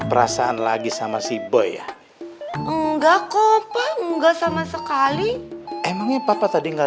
perasaan lagi sama si bo ya enggak kok apa enggak sama sekali emangnya papa tadi enggak